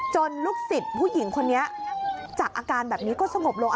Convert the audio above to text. ลูกศิษย์ผู้หญิงคนนี้จากอาการแบบนี้ก็สงบลง